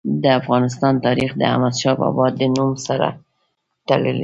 د افغانستان تاریخ د احمد شاه بابا د نوم سره تړلی دی.